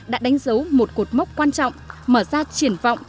đã đánh dấu một cột mốc quan trọng mở ra triển vọng